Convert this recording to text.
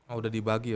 oh udah dibagi ya